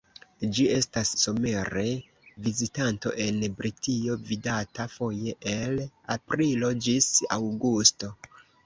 Ĝi estas somere vizitanto en Britio, vidata foje el aprilo ĝis aŭgusto.